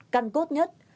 căn cốt nhất